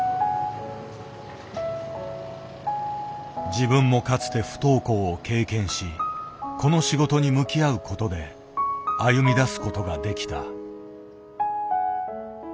自分もかつて不登校を経験しこの仕事に向き合うことで歩みだすことができた。